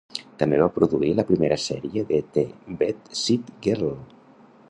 També va produir la primera sèrie de "The Bed-Sit Girl".